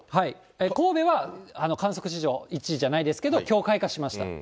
神戸は、観測史上１位じゃないですけど、きょう開花しました。